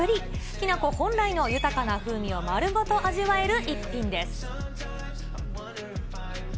きな粉本来の豊かな風味を丸ごと味わえる一品です。